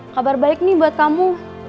kabar baik nih buat kamu